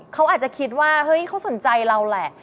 เขาอาจจะคิดว่าเฮ้ยเขาสนใจเราแหละ